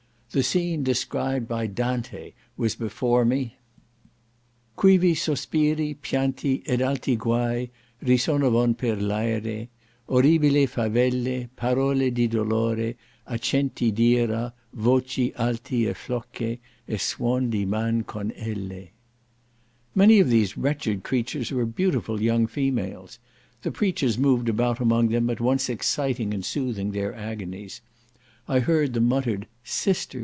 The scene described by Dante was before me: "Quivi sospiri, pianti, ed alti guai Risonavan per l'aere— —Orribili favelle Parole di dolore, accenti d'ira Voci alti e fioche, e suon di man con elle." Many of these wretched creatures were beautiful young females. The preachers moved about among them, at once exciting and soothing their agonies. I heard the muttered "Sister!